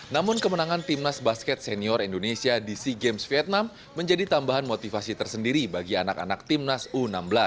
namun kemenangan timnas basket senior indonesia di sea games vietnam menjadi tambahan motivasi tersendiri bagi anak anak timnas u enam belas